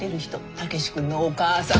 武志君のお母さん。